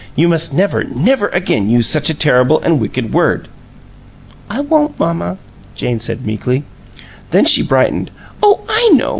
"You must never, never again use such a terrible and wicked word." "I won't, mamma," Jane said, meekly. Then she brightened. "Oh, I know!